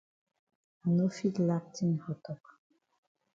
I no fit lack tin for tok.